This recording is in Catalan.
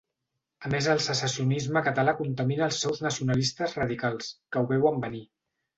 A més el secessionisme català contamina els seus nacionalistes radicals, que ho veuen venir.